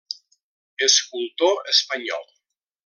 Escultor espanyol.